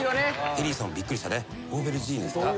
テリーさんもびっくりしたオーベルジーヌ。